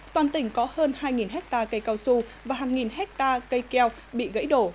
toàn tỉnh có hơn hai ha cây cao su và hàng nghìn ha cây keo bị gãy đổ